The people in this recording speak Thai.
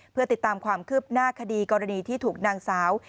เพื่อติดตามความคืบหน้าคดีกรณีที่ถูกนางสาว